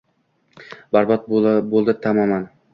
Barbod bo’ldi tamoman.